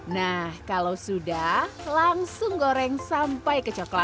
nah kalau sudah langsung goreng sampai kecoklatan